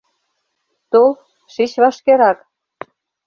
Тол, шич вашкерак...